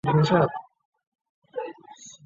维莱尔博卡格。